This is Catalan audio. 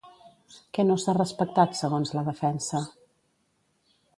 Què no s'ha respectat, segons la defensa?